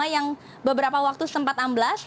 yang beberapa waktu sempat amblas